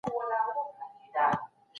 تاسي کله دغه مځکه رانیولي ده؟